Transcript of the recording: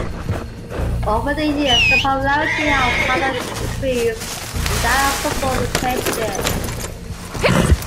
Over the years the popularity of pallone decreased and that of football replaced it.